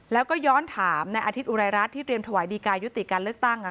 แล้วก็ย้อนถามในอาทิตยอุรายรัฐที่เตรียมถวายดีการยุติการเลือกตั้ง